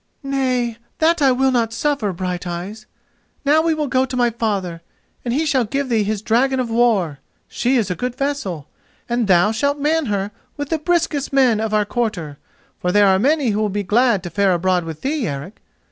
"Nay, that I will not suffer, Brighteyes. Now we will go to my father, and he shall give thee his dragon of war—she is a good vessel—and thou shalt man her with the briskest men of our quarter: for there are many who will be glad to fare abroad with thee, Eric.